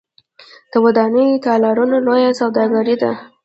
د ودونو تالارونه لویه سوداګري ده